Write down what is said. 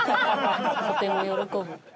とても喜ぶ。